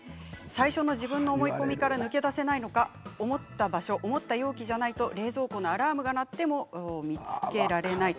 最初の自分の思い込みから抜け出せないのか思った場所思った容器じゃないと冷蔵庫のアラームが鳴っても見つけられない。